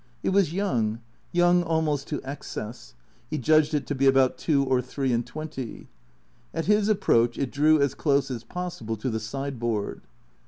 It was young, young almost to excess. He judged it to be about two or three and twenty. At his approach it drew as close as possible to the sideboard.